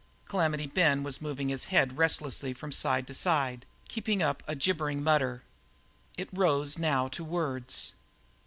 Calamity Ben was moving his head restlessly from side to side, keeping up a gibbering mutter. It rose now to words.